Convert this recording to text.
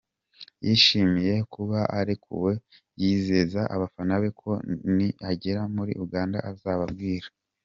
yishimiye kuba arekuwe, yizeza abafana be ko ni agera muri Uganda azababwira.